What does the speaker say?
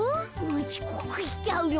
ちこくしちゃうよ。